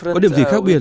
có điểm gì khác biệt